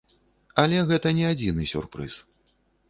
Але гэта не адзіны сюрпрыз.